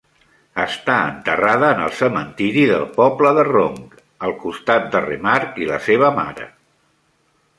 Està enterrada en el cementiri del poble de Ronc, al costat de Remarque i la seva mare.